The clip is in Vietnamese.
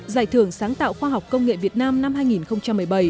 giải thưởng sáng tạo khoa học công nghệ việt nam năm hai nghìn một mươi bảy